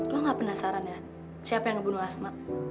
lo gak penasaran ya siapa yang ngebunuh asma